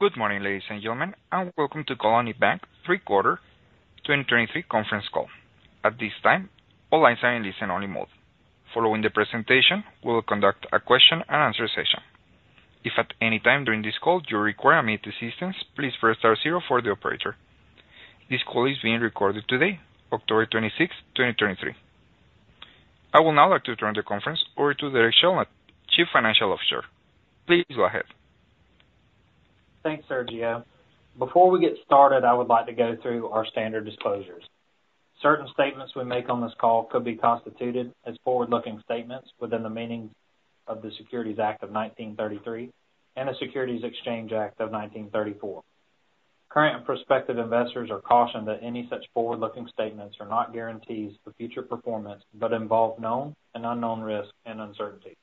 Good morning, ladies and gentlemen, and welcome to Colony Bank third quarter 2023 conference call. At this time, all lines are in listen-only mode. Following the presentation, we will conduct a question-and-answer session. If at any time during this call you require immediate assistance, please press star zero for the operator. This call is being recorded today, October 26, 2023. I will now like to turn the conference over to Derek Shelnutt, Chief Financial Officer. Please go ahead. Thanks, Sergio. Before we get started, I would like to go through our standard disclosures. Certain statements we make on this call could be constituted as forward-looking statements within the meaning of the Securities Act of 1933 and the Securities Exchange Act of 1934. Current and prospective investors are cautioned that any such forward-looking statements are not guarantees for future performance, but involve known and unknown risk and uncertainty.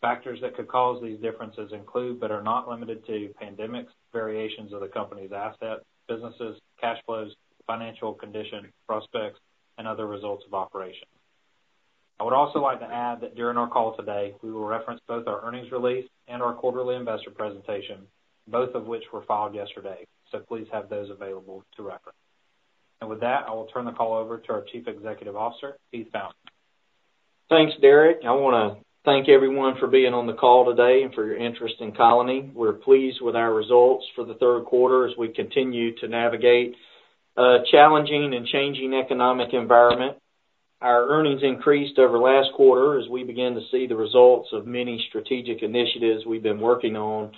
Factors that could cause these differences include, but are not limited to, pandemics, variations of the company's assets, businesses, cash flows, financial condition, prospects, and other results of operation. I would also like to add that during our call today, we will reference both our earnings release and our quarterly investor presentation, both of which were filed yesterday, so please have those available to reference. And with that, I will turn the call over to our Chief Executive Officer, Heath Fountain. Thanks, Derek. I want to thank everyone for being on the call today and for your interest in Colony. We're pleased with our results for the third quarter as we continue to navigate a challenging and changing economic environment. Our earnings increased over last quarter as we began to see the results of many strategic initiatives we've been working on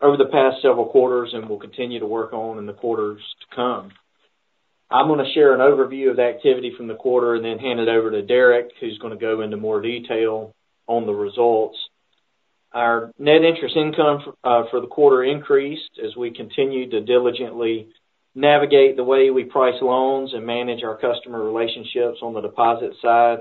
over the past several quarters and will continue to work on in the quarters to come. I'm going to share an overview of activity from the quarter and then hand it over to Derek, who's going to go into more detail on the results. Our net interest income for the quarter increased as we continued to diligently navigate the way we price loans and manage our customer relationships on the deposit side.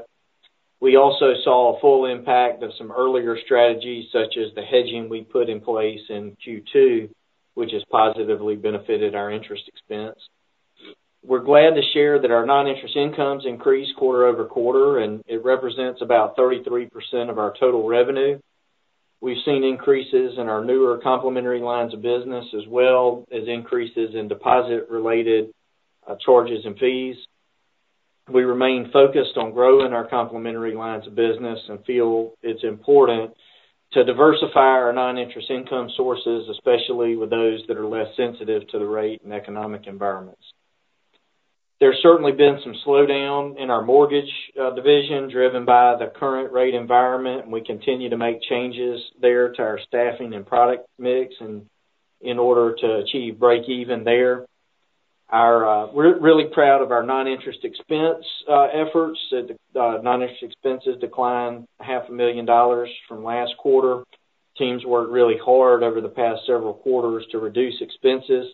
We also saw a full impact of some earlier strategies, such as the hedging we put in place in Q2, which has positively benefited our interest expense. We're glad to share that our non-interest incomes increased quarter-over-quarter, and it represents about 33% of our total revenue. We've seen increases in our newer complementary lines of business, as well as increases in deposit-related charges and fees. We remain focused on growing our complementary lines of business and feel it's important to diversify our non-interest income sources, especially with those that are less sensitive to the rate and economic environments. There's certainly been some slowdown in our mortgage division, driven by the current rate environment, and we continue to make changes there to our staffing and product mix and in order to achieve breakeven there. We're really proud of our non-interest expense efforts. The non-interest expenses declined $500,000 from last quarter. Teams worked really hard over the past several quarters to reduce expenses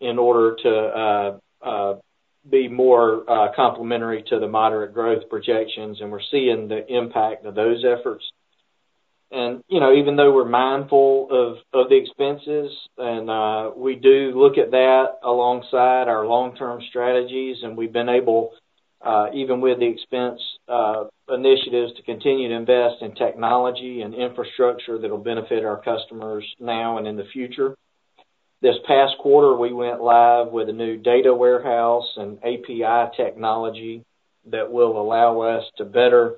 in order to be more complementary to the moderate growth projections, and we're seeing the impact of those efforts. And, you know, even though we're mindful of the expenses and we do look at that alongside our long-term strategies, and we've been able, even with the expense initiatives, to continue to invest in technology and infrastructure that will benefit our customers now and in the future. This past quarter, we went live with a new data warehouse and API technology that will allow us to better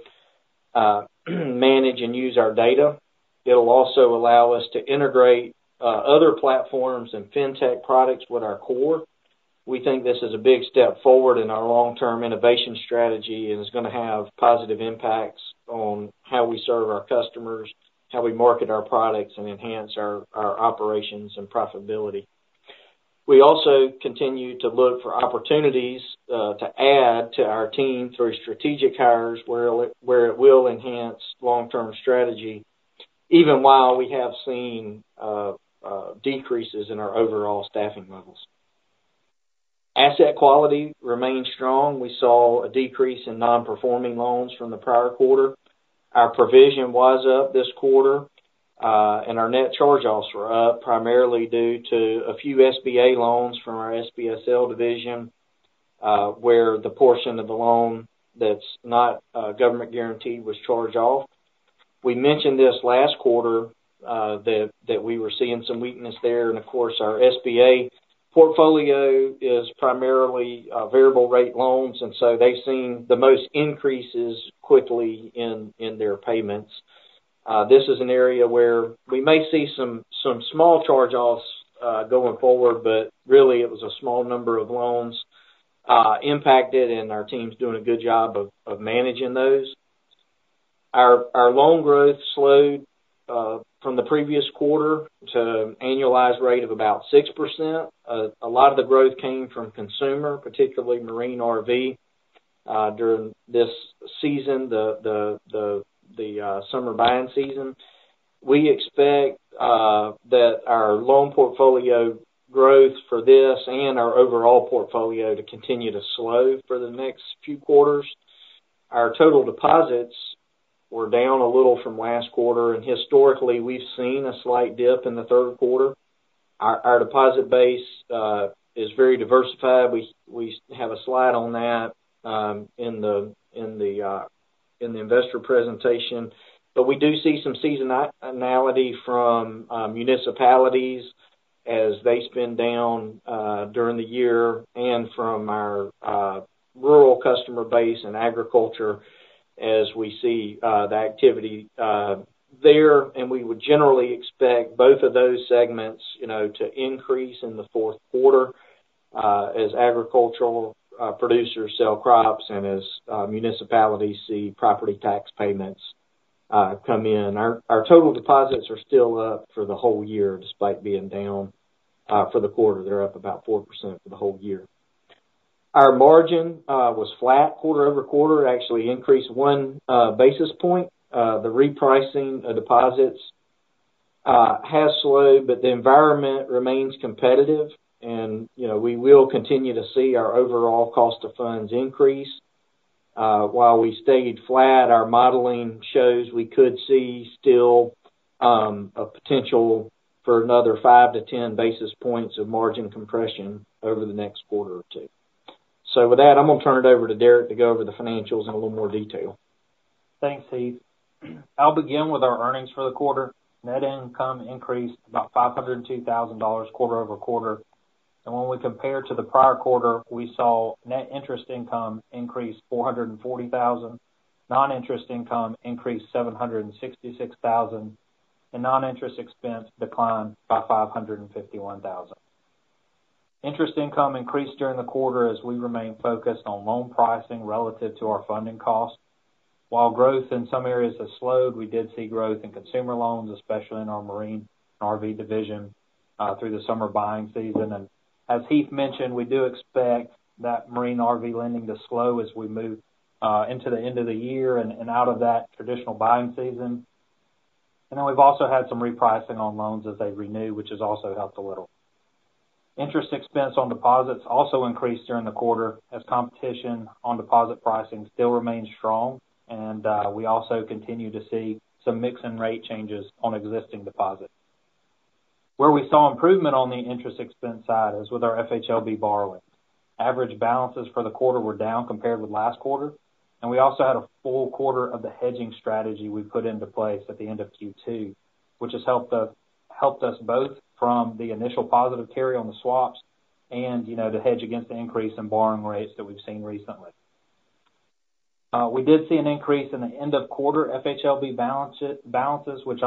manage and use our data. It'll also allow us to integrate other platforms and fintech products with our core. We think this is a big step forward in our long-term innovation strategy and is going to have positive impacts on how we serve our customers, how we market our products, and enhance our operations and profitability. We also continue to look for opportunities to add to our team through strategic hires, where it will enhance long-term strategy, even while we have seen decreases in our overall staffing levels. Asset quality remains strong. We saw a decrease in non-performing loans from the prior quarter. Our provision was up this quarter, and our net charge-offs were up, primarily due to a few SBA loans from our SBSL division, where the portion of the loan that's not government-guaranteed was charged off. We mentioned this last quarter, that we were seeing some weakness there, and of course, our SBA portfolio is primarily variable rate loans, and so they've seen the most increases quickly in their payments. This is an area where we may see some small charge-offs going forward, but really, it was a small number of loans impacted, and our team's doing a good job of managing those. Our loan growth slowed from the previous quarter to an annualized rate of about 6%. A lot of the growth came from consumer, particularly Marine RV, during this season, the summer buying season. We expect that our loan portfolio growth for this and our overall portfolio to continue to slow for the next few quarters. Our total deposits were down a little from last quarter, and historically, we've seen a slight dip in the third quarter. Our deposit base is very diversified. We have a slide on that in the investor presentation. But we do see some seasonality from municipalities as they spend down during the year and from our rural customer base in agriculture as we see the activity there. And we would generally expect both of those segments, you know, to increase in the fourth quarter as agricultural producers sell crops and as municipalities see property tax payments come in. Our total deposits are still up for the whole year, despite being down for the quarter. They're up about 4% for the whole year. Our margin was flat quarter-over-quarter, it actually increased 1 basis point. The repricing of deposits has slowed, but the environment remains competitive, and, you know, we will continue to see our overall cost of funds increase. While we stayed flat, our modeling shows we could see still a potential for another 5-10 basis points of margin compression over the next quarter or two. So with that, I'm going to turn it over to Derek to go over the financials in a little more detail. Thanks, Heath. I'll begin with our earnings for the quarter. Net income increased about $502,000 quarter-over-quarter. When we compare to the prior quarter, we saw net interest income increase $440,000, non-interest income increased $766,000, and non-interest expense declined by $551,000. Interest income increased during the quarter as we remained focused on loan pricing relative to our funding costs. While growth in some areas has slowed, we did see growth in consumer loans, especially in our Marine and RV division through the summer buying season. And as Heath mentioned, we do expect that Marine RV lending to slow as we move into the end of the year and out of that traditional buying season. And then we've also had some repricing on loans as they renew, which has also helped a little. Interest expense on deposits also increased during the quarter, as competition on deposit pricing still remains strong, and we also continue to see some mix and rate changes on existing deposits. Where we saw improvement on the interest expense side is with our FHLB borrowings. Average balances for the quarter were down compared with last quarter, and we also had a full quarter of the hedging strategy we put into place at the end of Q2, which has helped us, helped us both from the initial positive carry on the swaps and, you know, to hedge against the increase in borrowing rates that we've seen recently. We did see an increase in the end of quarter FHLB balances, which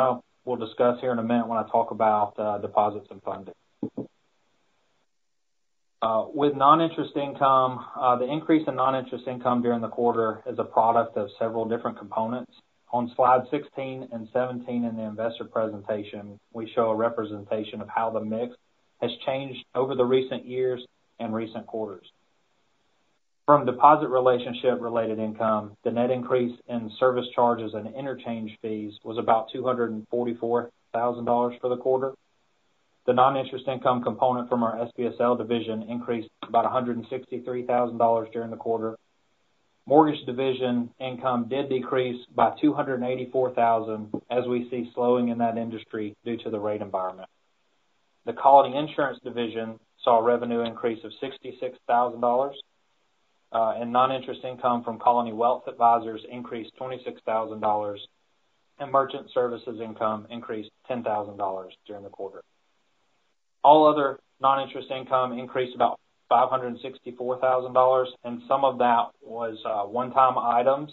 we'll discuss here in a minute when I talk about deposits and funding. With non-interest income, the increase in non-interest income during the quarter is a product of several different components. On slide 16 and 17 in the investor presentation, we show a representation of how the mix has changed over the recent years and recent quarters. From deposit relationship related income, the net increase in service charges and interchange fees was about $244,000 for the quarter. The non-interest income component from our SBSL division increased about $163,000 during the quarter. Mortgage division income did decrease by $284,000, as we see slowing in that industry due to the rate environment. The Colony Insurance division saw a revenue increase of $66,000, and non-interest income from Colony Wealth Advisors increased $26,000, and merchant services income increased $10,000 during the quarter. All other non-interest income increased about $564,000, and some of that was one-time items.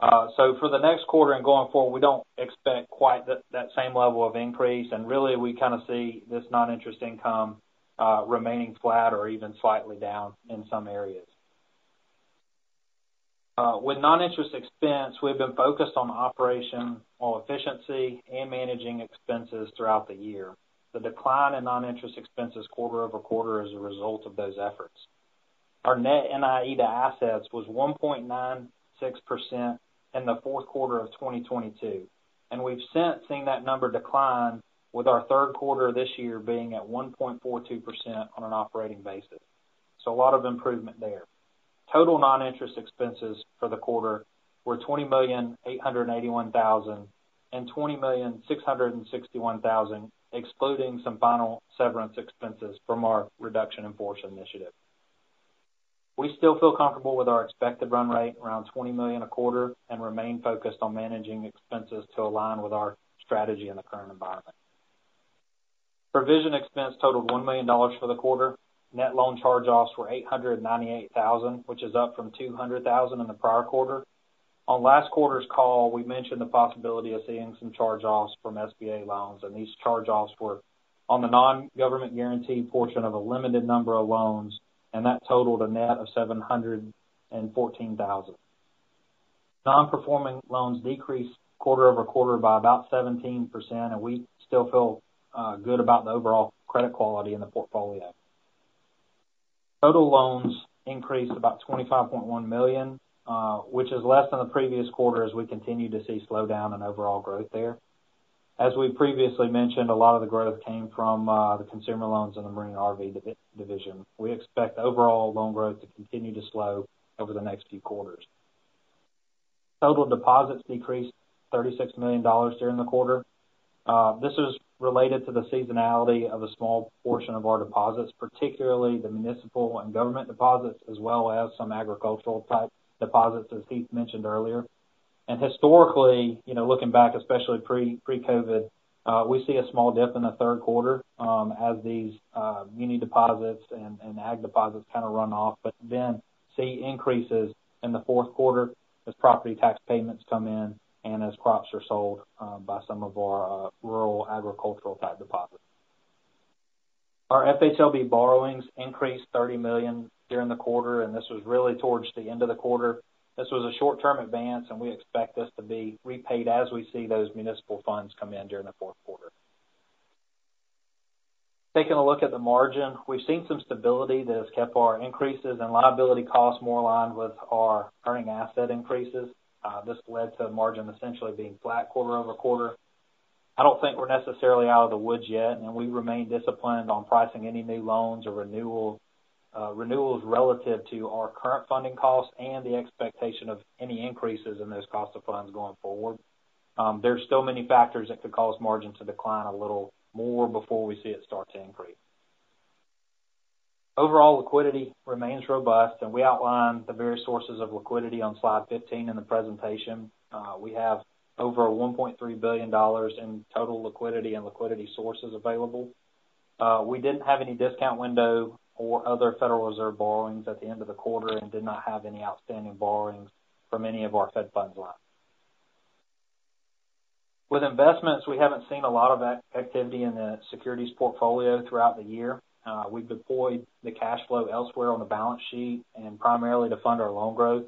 So for the next quarter and going forward, we don't expect quite that same level of increase, and really, we kind of see this non-interest income remaining flat or even slightly down in some areas. With non-interest expense, we've been focused on operational efficiency and managing expenses throughout the year. The decline in non-interest expenses quarter-over-quarter is a result of those efforts. Our net NIE to assets was 1.96% in the fourth quarter of 2022, and we've since seen that number decline, with our third quarter this year being at 1.42% on an operating basis. So a lot of improvement there. Total non-interest expenses for the quarter were $20,881,000 and $20,661,000, excluding some final severance expenses from our reduction in force initiative. We still feel comfortable with our expected run rate, around $20 million a quarter, and remain focused on managing expenses to align with our strategy in the current environment. Provision expense totaled $1 million for the quarter. Net loan charge-offs were $898,000, which is up from $200,000 in the prior quarter. On last quarter's call, we mentioned the possibility of seeing some charge-offs from SBA loans, and these charge-offs were on the non-government guaranteed portion of a limited number of loans, and that totaled a net of $714,000. Nonperforming loans decreased quarter-over-quarter by about 17%, and we still feel, good about the overall credit quality in the portfolio. Total loans increased about $25.1 million, which is less than the previous quarter as we continue to see slowdown in overall growth there. As we previously mentioned, a lot of the growth came from, the consumer loans in the Marine and RV division. We expect overall loan growth to continue to slow over the next few quarters. Total deposits decreased $36 million during the quarter. This is related to the seasonality of a small portion of our deposits, particularly the municipal and government deposits, as well as some agricultural type deposits, as Heath mentioned earlier. Historically, you know, looking back, especially pre, pre-COVID, we see a small dip in the third quarter, as these, muni deposits and, and ag deposits kind of run off, but then see increases in the fourth quarter as property tax payments come in and as crops are sold, by some of our, rural agricultural type deposits. Our FHLB borrowings increased $30 million during the quarter, and this was really towards the end of the quarter. This was a short-term advance, and we expect this to be repaid as we see those municipal funds come in during the fourth quarter.. Taking a look at the margin, we've seen some stability that has kept our increases and liability costs more aligned with our earning asset increases. This led to margin essentially being flat quarter-over-quarter. I don't think we're necessarily out of the woods yet, and we remain disciplined on pricing any new loans or renewals relative to our current funding costs and the expectation of any increases in those cost of funds going forward. There are still many factors that could cause margin to decline a little more before we see it start to increase. Overall, liquidity remains robust, and we outlined the various sources of liquidity on slide 15 in the presentation. We have over $1.3 billion in total liquidity and liquidity sources available. We didn't have any discount window or other Federal Reserve borrowings at the end of the quarter and did not have any outstanding borrowings from any of our Fed funds lines. With investments, we haven't seen a lot of activity in the securities portfolio throughout the year. We've deployed the cash flow elsewhere on the balance sheet and primarily to fund our loan growth.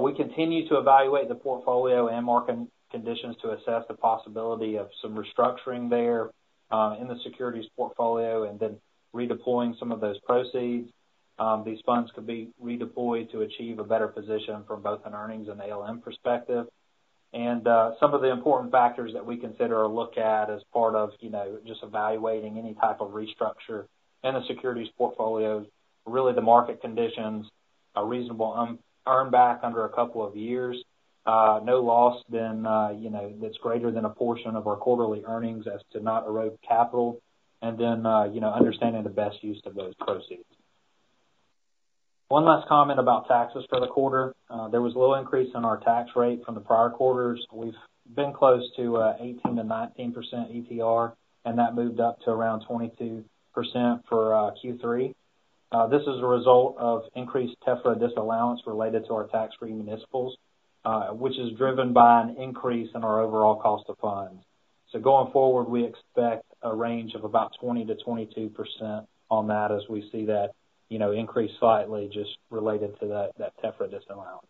We continue to evaluate the portfolio and market conditions to assess the possibility of some restructuring there, in the securities portfolio and then redeploying some of those proceeds. These funds could be redeployed to achieve a better position from both an earnings and ALM perspective. And, some of the important factors that we consider or look at as part of, you know, just evaluating any type of restructure in the securities portfolio, really the market conditions, a reasonable earn, earn back under a couple of years, no loss then, you know, that's greater than a portion of our quarterly earnings as to not erode capital, and then, you know, understanding the best use of those proceeds. One last comment about taxes for the quarter. There was a little increase in our tax rate from the prior quarters. We've been close to 18%-19% ETR, and that moved up to around 22% for Q3. This is a result of increased TEFRA disallowance related to our tax-free municipals, which is driven by an increase in our overall cost of funds. So going forward, we expect a range of about 20%-22% on that as we see that, you know, increase slightly just related to that, that TEFRA disallowance.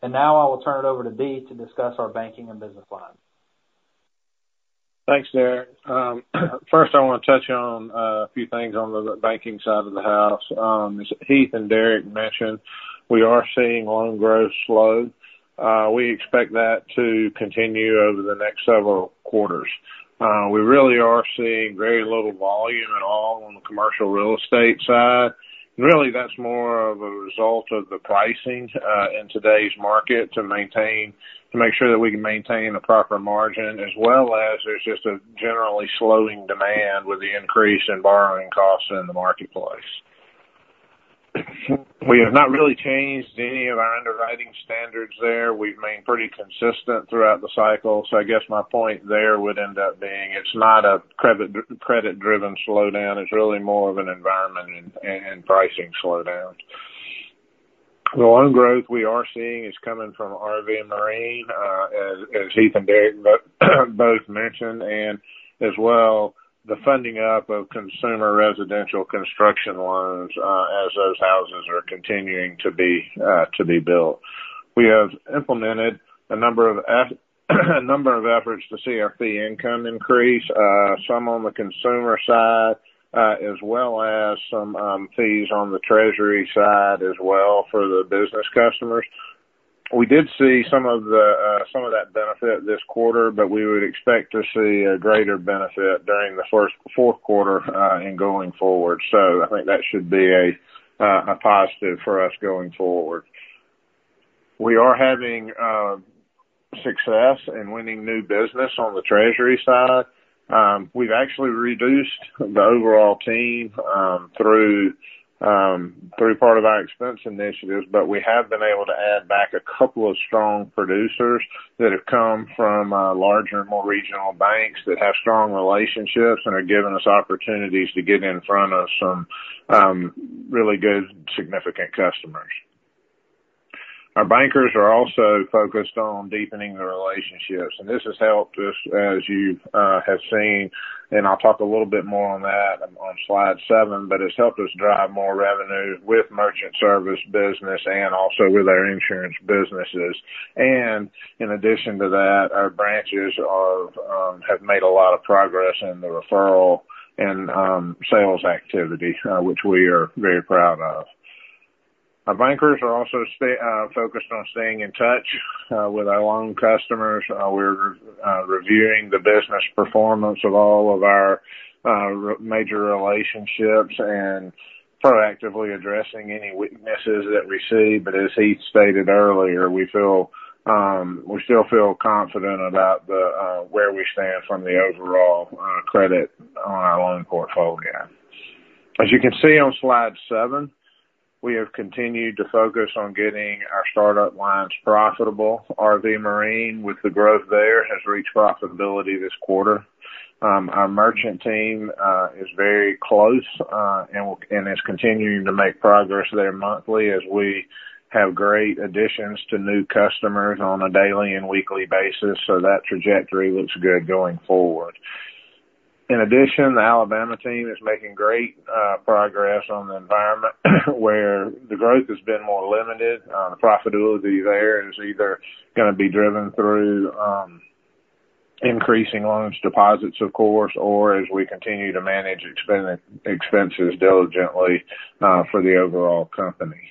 And now I will turn it over to Dee to discuss our banking and business lines. Thanks, Derek. First, I want to touch on a few things on the banking side of the house. As Heath and Derek mentioned, we are seeing loan growth slow. We expect that to continue over the next several quarters. We really are seeing very little volume at all on the commercial real estate side, and really, that's more of a result of the pricing in today's market to maintain, to make sure that we can maintain the proper margin, as well as there's just a generally slowing demand with the increase in borrowing costs in the marketplace. We have not really changed any of our underwriting standards there. We've remained pretty consistent throughout the cycle. So I guess my point there would end up being, it's not a credit-driven slowdown, it's really more of an environment and, and pricing slowdown. The loan growth we are seeing is coming from RV and Marine, as Heath and Derek both mentioned, and as well, the funding up of consumer residential construction loans, as those houses are continuing to be built. We have implemented a number of efforts to see our fee income increase, some on the consumer side, as well as some fees on the treasury side as well for the business customers. We did see some of that benefit this quarter, but we would expect to see a greater benefit during the fourth quarter, and going forward. So I think that should be a positive for us going forward. We are having success in winning new business on the treasury side. We've actually reduced the overall team through part of our expense initiatives, but we have been able to add back a couple of strong producers that have come from larger and more regional banks that have strong relationships and are giving us opportunities to get in front of some really good, significant customers. Our bankers are also focused on deepening the relationships, and this has helped us, as you have seen, and I'll talk a little bit more on that on slide 7, but it's helped us drive more revenue with merchant service business and also with our insurance businesses. In addition to that, our branches have made a lot of progress in the referral and sales activity, which we are very proud of. Our bankers are also focused on staying in touch with our loan customers. We're reviewing the business performance of all of our major relationships and proactively addressing any weaknesses that we see. But as Heath stated earlier, we still feel confident about where we stand from the overall credit on our loan portfolio. As you can see on slide 7, we have continued to focus on getting our startup lines profitable. RV Marine, with the growth there, has reached profitability this quarter. Our merchant team is very close and is continuing to make progress there monthly as we have great additions to new customers on a daily and weekly basis. So that trajectory looks good going forward. In addition, the Alabama team is making great progress on the environment where the growth has been more limited. The profitability there is either gonna be driven through increasing loans, deposits, of course, or as we continue to manage expenses diligently for the overall company.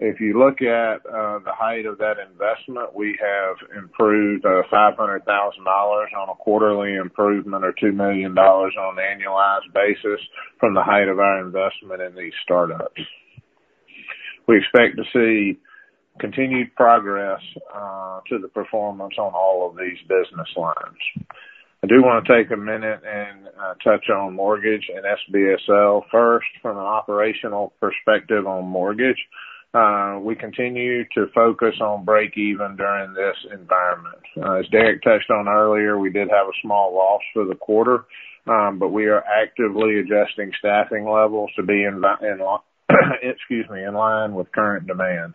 If you look at the height of that investment, we have improved $500,000 on a quarterly improvement or $2 million on an annualized basis from the height of our investment in these startups. We expect to see continued progress to the performance on all of these business lines. I do want to take a minute and touch on mortgage and SBSL. First, from an operational perspective on mortgage, we continue to focus on break even during this environment. As Derek touched on earlier, we did have a small loss for the quarter, but we are actively adjusting staffing levels to be in line with current demand.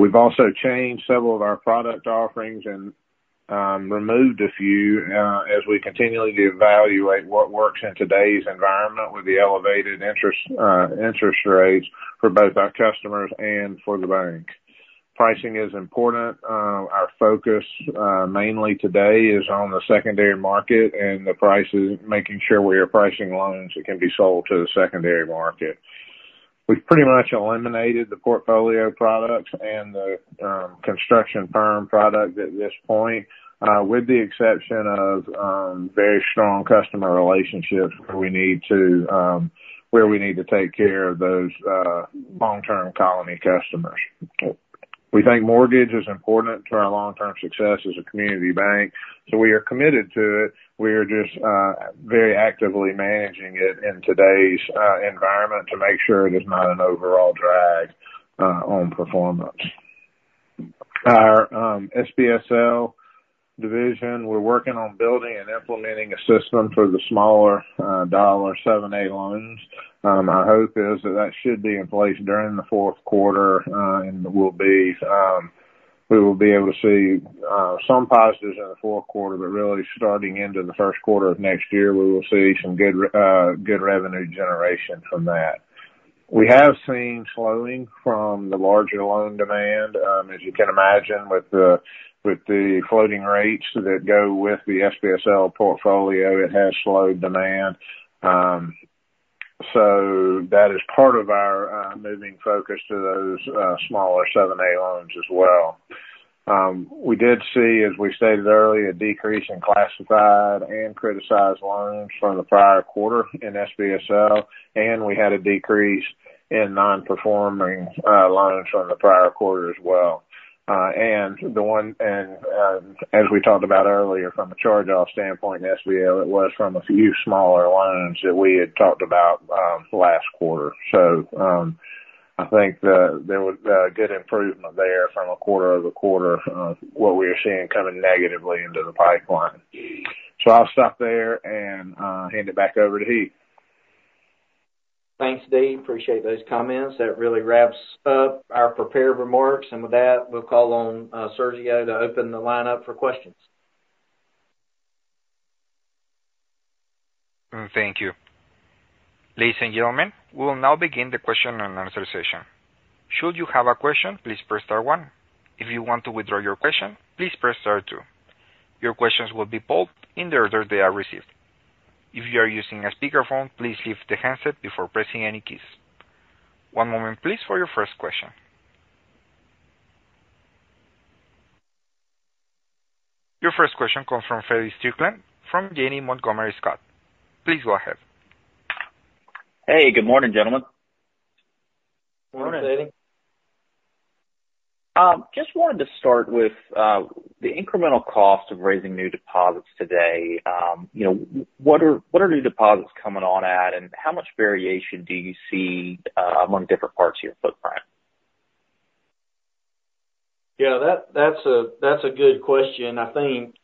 We've also changed several of our product offerings and removed a few, as we continually evaluate what works in today's environment with the elevated interest rates for both our customers and for the bank. Pricing is important. Our focus mainly today is on the secondary market and the prices, making sure we are pricing loans that can be sold to the secondary market. We've pretty much eliminated the portfolio products and the construction firm product at this point, with the exception of very strong customer relationships, where we need to take care of those long-term Colony customers. We think mortgage is important to our long-term success as a community bank, so we are committed to it. We are just very actively managing it in today's environment to make sure it is not an overall drag on performance. Our SBSL division, we're working on building and implementing a system for the smaller dollar 7(a) loans. Our hope is that that should be in place during the fourth quarter, and we'll be, we will be able to see some positives in the fourth quarter, but really starting into the first quarter of next year, we will see some good revenue generation from that. We have seen slowing from the larger loan demand. As you can imagine, with the floating rates that go with the SBSL portfolio, it has slowed demand. So that is part of our moving focus to those smaller 7(a) loans as well. We did see, as we stated earlier, a decrease in classified and criticized loans from the prior quarter in SBSL, and we had a decrease in non-performing loans from the prior quarter as well. As we talked about earlier, from a charge-off standpoint in SBSL, it was from a few smaller loans that we had talked about last quarter. So I think there was good improvement there from a quarter-over-quarter of what we are seeing coming negatively into the pipeline. So I'll stop there and hand it back over to Heath. Thanks, Dave. Appreciate those comments. That really wraps up our prepared remarks, and with that, we'll call on, Sergio to open the line up for questions. Thank you. Ladies and gentlemen, we will now begin the question and answer session. Should you have a question, please press star one. If you want to withdraw your question, please press star two. Your questions will be pulled in the order they are received. If you are using a speakerphone, please lift the handset before pressing any keys. One moment, please, for your first question. Your first question comes from Feddie Strickland from Janney Montgomery Scott. Please go ahead. Hey, good morning, gentlemen. Morning. Morning, Freddy. Just wanted to start with the incremental cost of raising new deposits today. You know, what are, what are new deposits coming on at, and how much variation do you see among different parts of your footprint? Yeah, that's a good question. I think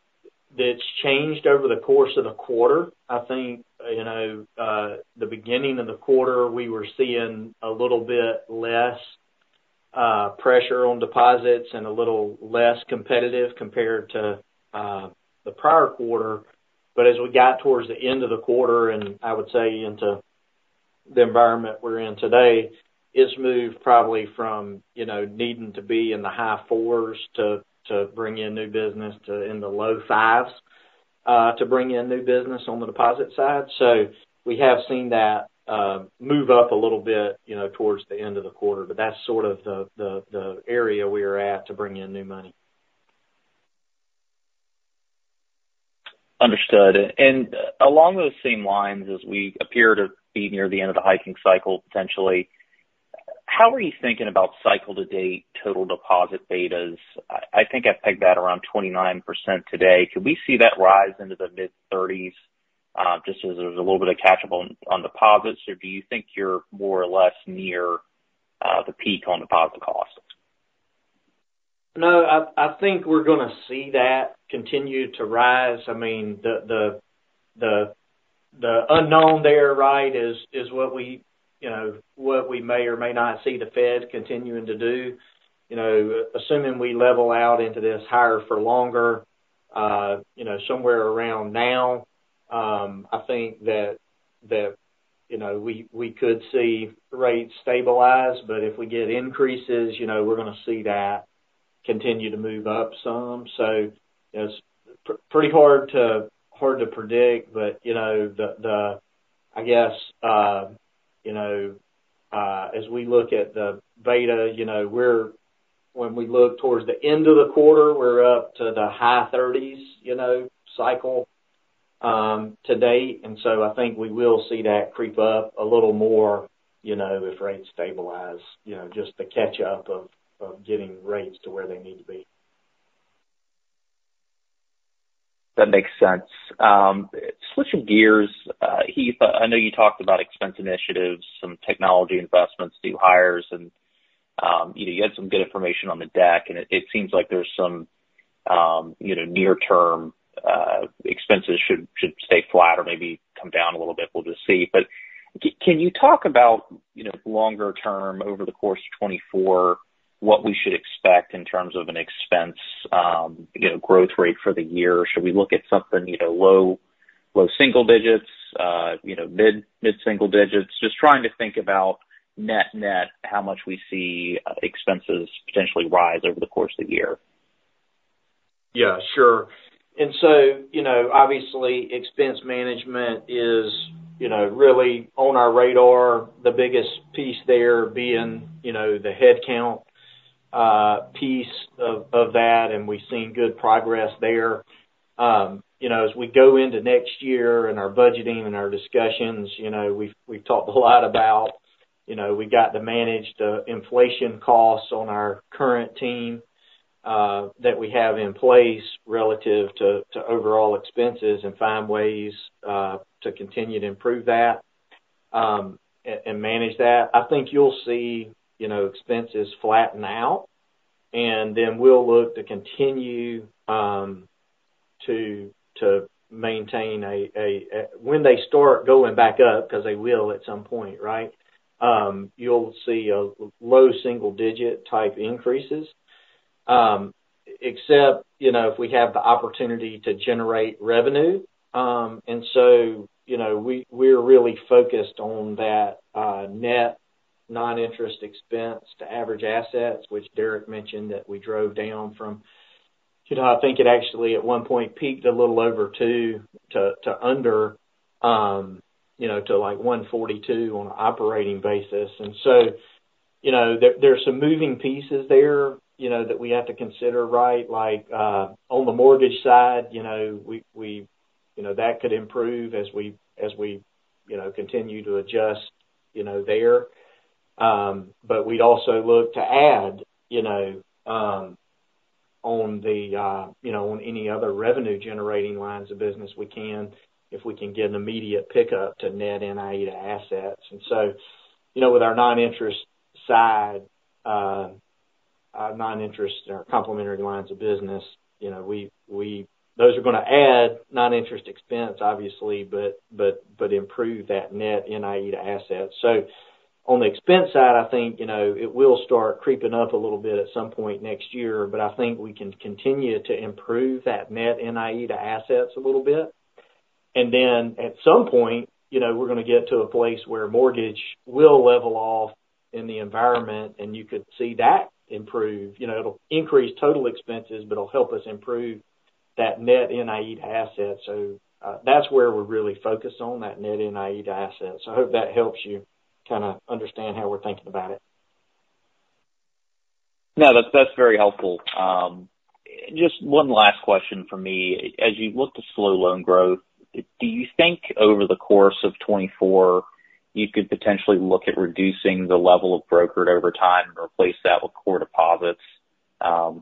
that's changed over the course of the quarter. I think, you know, the beginning of the quarter, we were seeing a little bit less pressure on deposits and a little less competitive compared to the prior quarter. But as we got towards the end of the quarter, and I would say into the environment we're in today, it's moved probably from, you know, needing to be in the high fours to bring in new business to in the low fives to bring in new business on the deposit side. So we have seen that move up a little bit, you know, towards the end of the quarter, but that's sort of the area we are at to bring in new money. Understood. And along those same lines, as we appear to be near the end of the hiking cycle, potentially, how are you thinking about cycle to date, total deposit betas? I think I pegged that around 29% today. Could we see that rise into the mid 30s, just as there's a little bit of catch up on deposits? Or do you think you're more or less near the peak on deposit costs? No, I think we're gonna see that continue to rise. I mean, the unknown there, right, is what we may or may not see the Fed continuing to do. You know, assuming we level out into this higher for longer, you know, somewhere around now, I think that we could see rates stabilize, but if we get increases, you know, we're gonna see that continue to move up some. So it's pretty hard to predict, but, you know, the, I guess, as we look at the beta, you know, when we look towards the end of the quarter, we're up to the high 30s, you know, cycle to date. And so I think we will see that creep up a little more, you know, if rates stabilize, you know, just the catch up of getting rates to where they need to be. That makes sense. Switching gears, Heath, I know you talked about expense initiatives, some technology investments, new hires, and, you know, you had some good information on the deck, and it, it seems like there's some, you know, near term, expenses should stay flat or maybe come down a little bit. We'll just see. But can you talk about, you know, longer term over the course of 2024, what we should expect in terms of an expense, you know, growth rate for the year? Should we look at something, you know, low single digits, you know, mid single digits? Just trying to think about net-net, how much we see, expenses potentially rise over the course of the year. Yeah, sure. So, you know, obviously, expense management is, you know, really on our radar, the biggest piece there being, you know, the headcount piece of that, and we've seen good progress there. You know, as we go into next year in our budgeting and our discussions, you know, we've talked a lot about, you know, we got to manage the inflation costs on our current team that we have in place relative to overall expenses, and find ways to continue to improve that, and manage that. I think you'll see, you know, expenses flatten out, and then we'll look to continue to maintain a... When they start going back up, because they will at some point, right? You'll see a low single-digit type increases, except, you know, if we have the opportunity to generate revenue. So, you know, we're really focused on that net non-interest expense to average assets, which Derek mentioned, that we drove down from, you know, I think it actually, at one point, peaked a little over 2 to under, you know, to, like, 1.42 on an operating basis. So, you know, there are some moving pieces there, you know, that we have to consider, right? Like, on the mortgage side, you know, we, you know, that could improve as we, as we, you know, continue to adjust, you know, there. But we'd also look to add, you know, on the, you know, on any other revenue generating lines of business we can, if we can get an immediate pickup to net NIE to assets. And so, you know, with our non-interest side, non-interest or complementary lines of business, you know, we-- those are gonna add non-interest expense, obviously, but, but, but improve that net NIE to assets. So on the expense side, I think, you know, it will start creeping up a little bit at some point next year, but I think we can continue to improve that net NIE to assets a little bit. And then, at some point, you know, we're gonna get to a place where mortgage will level off in the environment, and you could see that improve. You know, it'll increase total expenses, but it'll help us improve that net NII to assets. So, that's where we're really focused on, that net NIE to assets. I hope that helps you kind of understand how we're thinking about it. No, that, that's very helpful. Just one last question from me. As you look to slow loan growth, do you think over the course of 2024, you could potentially look at reducing the level of brokered over time and replace that with core deposits,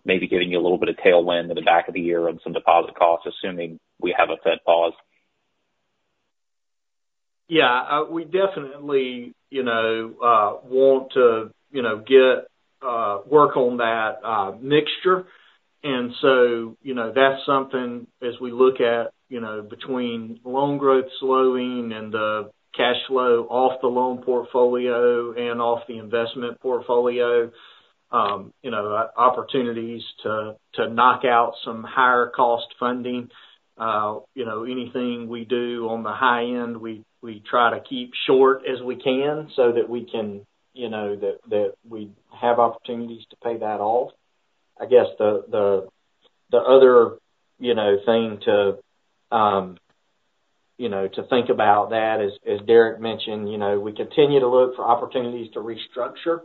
maybe giving you a little bit of tailwind in the back of the year on some deposit costs, assuming we have a Fed pause? Yeah, we definitely, you know, want to, you know, get work on that mixture. And so, you know, that's something, as we look at, you know, between loan growth slowing and the cash flow off the loan portfolio and off the investment portfolio, you know, opportunities to, to knock out some higher cost funding. You know, anything we do on the high end, we, we try to keep short as we can so that we can, you know, that, that we have opportunities to pay that off. I guess the, the, the other, you know, thing to, you know, to think about that, as, as Derek mentioned, you know, we continue to look for opportunities to restructure.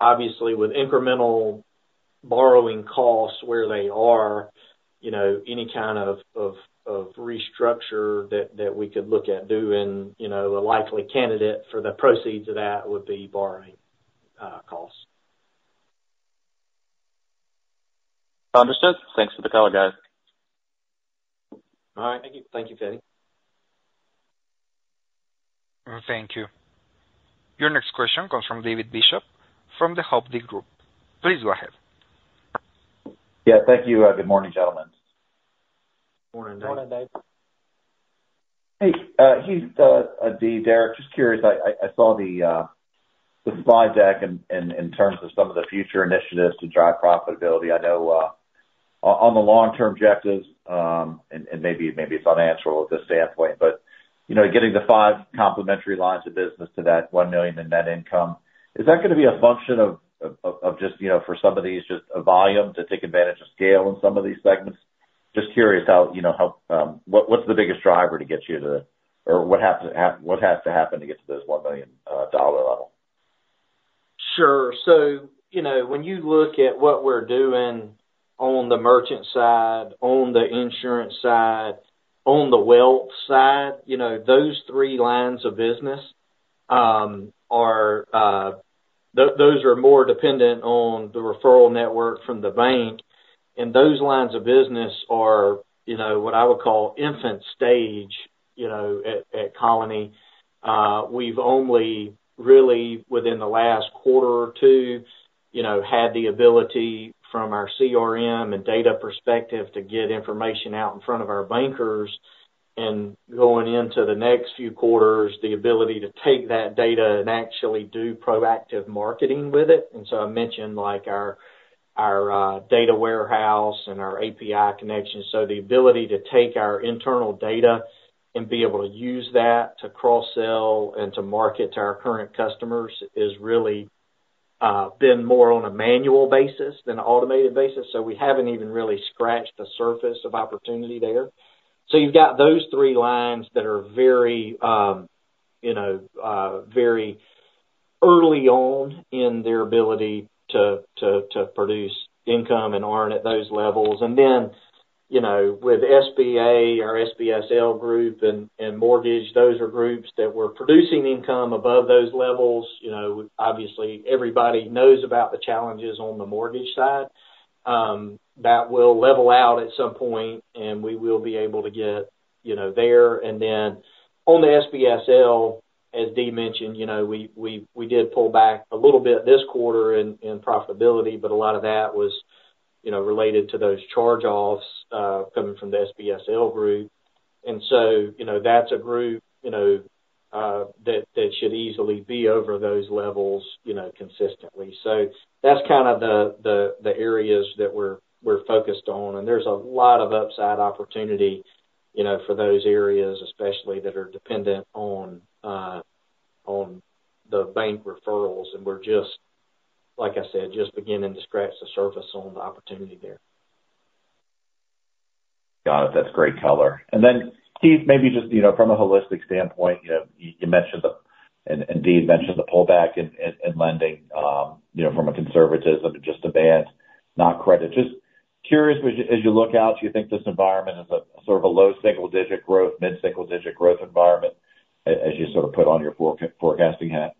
Obviously, with incremental borrowing costs where they are, you know, any kind of restructure that we could look at doing, you know, a likely candidate for the proceeds of that would be borrowing costs. Understood. Thanks for the color, guys. All right. Thank you, Teddy. Thank you. Your next question comes from David Bishop from the Hovde Group. Please go ahead. Yeah, thank you. Good morning, gentlemen. Morning, Dave. Morning, Dave. Hey, Heath, Dee, Derek, just curious, I saw the slide deck in terms of some of the future initiatives to drive profitability. I know, on the long-term objectives, and maybe, maybe it's financial at this standpoint, but, you know, getting the five complementary lines of business to that $1 million in net income, is that gonna be a function of, just, you know, for some of these, just a volume to take advantage of scale in some of these segments? Just curious how, you know, how, what, what's the biggest driver to get you to... Or what has to happen to get to this $1 million dollar level? Sure. So, you know, when you look at what we're doing on the merchant side, on the insurance side, on the wealth side, you know, those three lines of business are those are more dependent on the referral network from the bank, and those lines of business are, you know, what I would call infant stage, you know, at at Colony. We've only really, within the last quarter or two, you know, had the ability from our CRM and data perspective to get information out in front of our bankers, and going into the next few quarters, the ability to take that data and actually do proactive marketing with it. And so I mentioned, like, our our data warehouse and our API connection. So the ability to take our internal data and be able to use that to cross-sell and to market to our current customers, is really been more on a manual basis than an automated basis, so we haven't even really scratched the surface of opportunity there. So you've got those three lines that are very, you know, very early on in their ability to produce income and aren't at those levels. And then, you know, with SBA, our SBSL group and mortgage, those are groups that we're producing income above those levels. You know, obviously, everybody knows about the challenges on the mortgage side. That will level out at some point, and we will be able to get, you know, there. And then on the SBSL, as Dee mentioned, you know, we did pull back a little bit this quarter in profitability, but a lot of that was, you know, related to those charge-offs coming from the SBSL group. And so, you know, that's a group, you know, that should easily be over those levels, you know, consistently. So that's kind of the areas that we're focused on, and there's a lot of upside opportunity, you know, for those areas especially, that are dependent on the bank referrals. And we're just, like I said, just beginning to scratch the surface on the opportunity there. Got it. That's great color. And then, Heath, maybe just, you know, from a holistic standpoint, you know, you mentioned the... and Dee mentioned the pullback in lending, you know, from a conservatism to just advance, not credit. Just curious, as you look out, do you think this environment is a sort of a low single digit growth, mid-single digit growth environment, as you sort of put on your forecasting hat?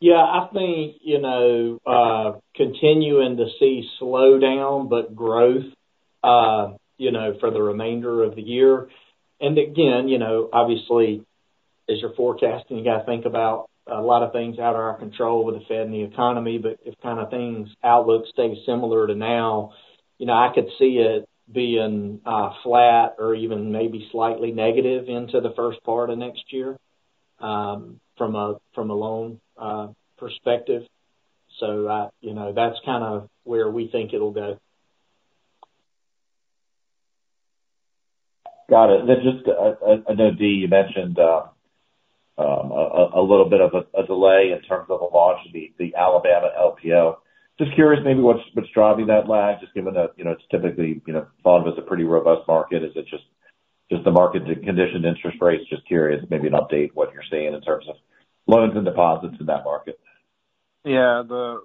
Yeah. I think, you know, continuing to see slowdown but growth, you know, for the remainder of the year. And again, you know, obviously, as you're forecasting, you got to think about a lot of things out of our control with the Fed and the economy. But if kind of things outlook stays similar to now, you know, I could see it being flat or even maybe slightly negative into the first part of next year, from a loan perspective. So, you know, that's kind of where we think it'll go. Got it. Then just, I know, Dee, you mentioned a little bit of a delay in terms of the launch of the Alabama LPO. Just curious, maybe what's driving that lag, just given that, you know, it's typically, you know, thought of as a pretty robust market. Is it just the market condition, interest rates? Just curious, maybe an update what you're seeing in terms of loans and deposits in that market. Yeah, the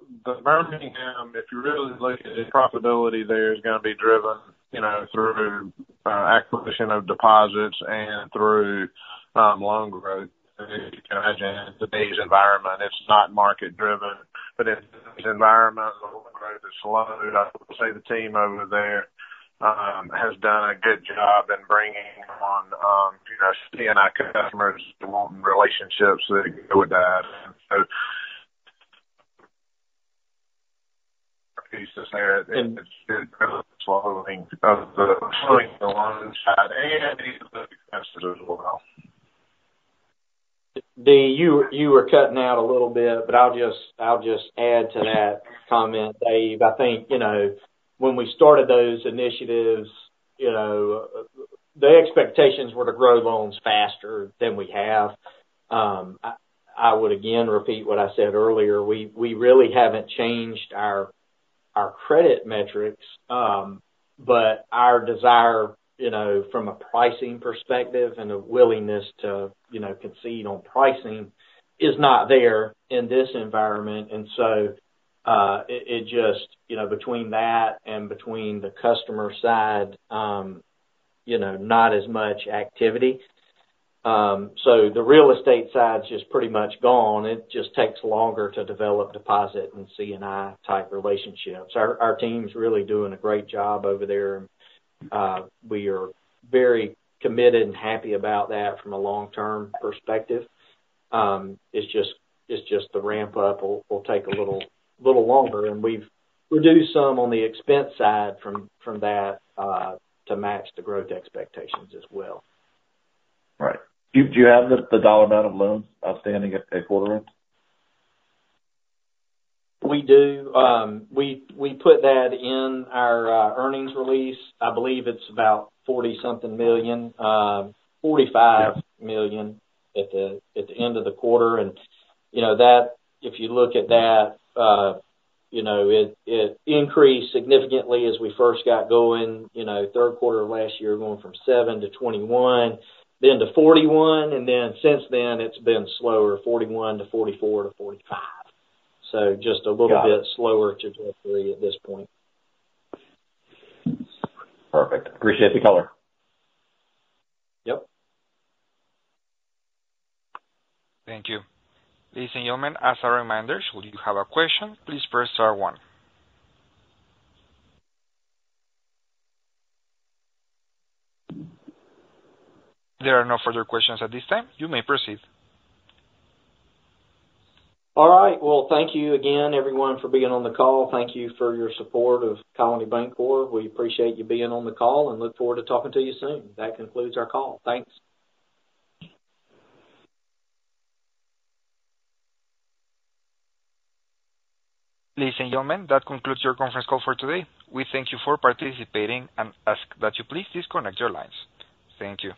Birmingham, if you really look at the profitability there, is gonna be driven, you know, through acquisition of deposits and through loan growth. You can imagine, in today's environment, it's not market driven, but in this environment, the loan growth is slow. I'd say the team over there has done a good job in bringing on, you know, C&I customers, wanting relationships that go with that. So pieces there, and it's been slowing because of the loans side and the investors as well. Dee, you were cutting out a little bit, but I'll just add to that comment, Dave. I think, you know, when we started those initiatives, you know, the expectations were to grow loans faster than we have. I would again repeat what I said earlier: we really haven't changed our credit metrics, but our desire, you know, from a pricing perspective and a willingness to, you know, concede on pricing, is not there in this environment. And so, it just, you know, between that and between the customer side, you know, not as much activity. So the real estate side is just pretty much gone. It just takes longer to develop deposit and C&I type relationships. Our team is really doing a great job over there. We are very committed and happy about that from a long-term perspective. It's just the ramp up will take a little longer, and we've reduced some on the expense side from that to match the growth expectations as well. Right. Do you have the dollar amount of loans outstanding at the quarter end? We do. We put that in our earnings release. I believe it's about 40 something million, $45 million at the end of the quarter. And, you know, that, if you look at that, you know, it increased significantly as we first got going, you know, third quarter of last year, going from $7 million to $21 million, then to $41 million, and then since then, it's been slower, $41 million to $44 million to $45 million. So just a little bit slower to get through at this point. Perfect. Appreciate the color. Yep. Thank you. Ladies and gentlemen, as a reminder, should you have a question, please press star one. There are no further questions at this time. You may proceed. All right. Well, thank you again, everyone, for being on the call. Thank you for your support of Colony Bankcorp. We appreciate you being on the call and look forward to talking to you soon. That concludes our call. Thanks. Ladies and gentlemen, that concludes your conference call for today. We thank you for participating and ask that you please disconnect your lines. Thank you.